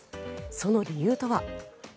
その理由とは。